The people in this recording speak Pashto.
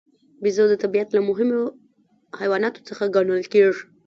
بیزو د طبیعت له مهمو حیواناتو څخه ګڼل کېږي.